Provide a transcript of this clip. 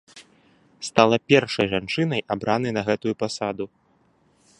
Стала першай жанчынай, абранай на гэтую пасаду.